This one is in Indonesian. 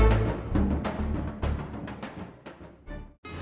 ketika dikirimkan oleh istri